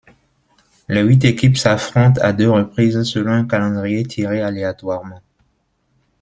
Les huit équipes s'affrontent à deux reprises selon un calendrier tiré aléatoirement.